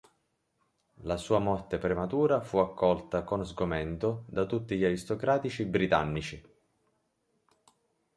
La sua morte prematura fu accolta con sgomento da tutti gli aristocratici britannici.